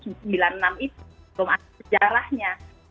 untuk masalah sejarahnya